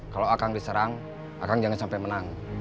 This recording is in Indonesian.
kalau akang diserang akang jangan sampai menang